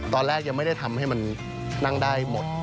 ตอนแรกยังไม่ได้ทำให้มันนั่งได้หมด